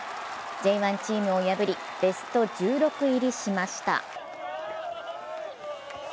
Ｊ１チームを破りベスト１６入りしました。